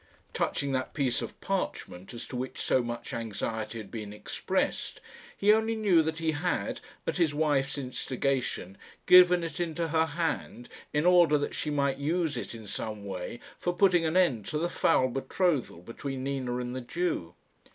Touching that piece of parchment as to which so much anxiety had been expressed, he only knew that he had, at his wife's instigation, given it into her hand in order that she might use it in some way for putting an end to the foul betrothal between Nina and the Jew.